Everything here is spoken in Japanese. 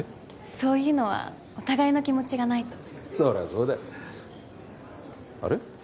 そういうのはお互いの気持ちがないとそりゃそうだあれ？